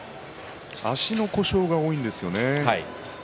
足の故障が多いんですよね。